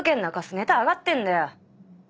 ネタ上がってんだよ。